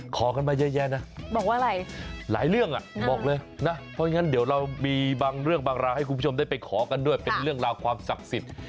ขอกันมาเยอะแยะนะบอกว่าอะไรหลายเรื่องอ่ะบอกเลยนะเพราะฉะนั้นเดี๋ยวเรามีบางเรื่องบางราวให้คุณผู้ชมได้ไปขอกันด้วยเป็นเรื่องราวความศักดิ์สิทธิ์